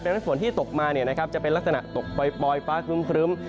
ดังนั้นฝนที่ตกมาจะเป็นลักษณะตกปล่อยฟ้าครึ้ม